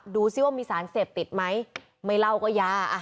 ดูสิว่ามีสารเสพติดไหมไม่เล่าก็ยา